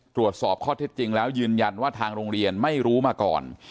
ตรวจสอบข้อเท็จจริงแล้วยืนยันว่าทางโรงเรียนไม่รู้มาก่อน